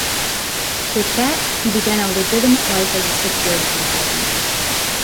With that, he began a legitimate life as a security consultant.